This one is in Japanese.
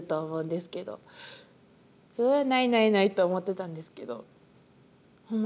それはないないないと思ってたんですけどホンマ